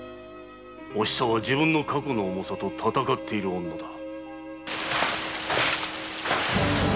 お久は自分の過去の重さと戦っている女だ。